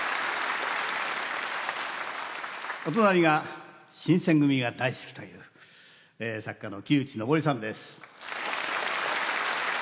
お隣が新選組が大好きという作家の木内昇さんです。